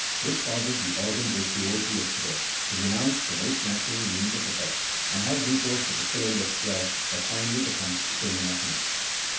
This causes the organ virtuosi of today to renounce the most natural means of effect and have recourse to the cylinder swell, that finally becomes so monotonous.